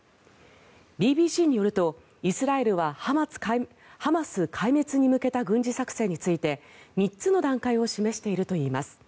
ＢＢＣによるとイスラエルはハマス壊滅に向けた軍事作戦について３つの段階を示しているといいます。